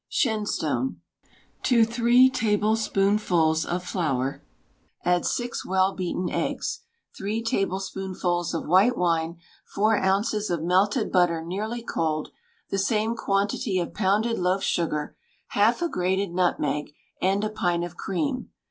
SHENSTONE. To three tablespoonfuls of flour add six well beaten eggs, three tablespoonfuls of white wine, four ounces of melted butter nearly cold, the same quantity of pounded loaf sugar, half a grated nutmeg, and a pint of cream.